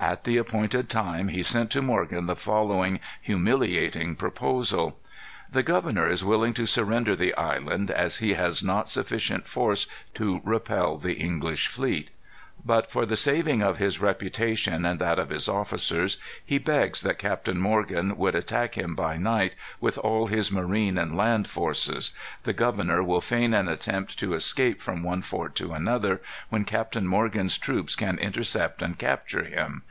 At the appointed time he sent to Morgan the following humiliating proposal: "The governor is willing to surrender the island, as he has not sufficient force to repel the English fleet. But for the saving of his reputation and that of his officers, he begs that Captain Morgan would attack him by night, with all his marine and land forces. The governor will feign an attempt to escape from one fort to another, when Captain Morgan's troops can intercept and capture him.